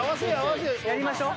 やりましょう。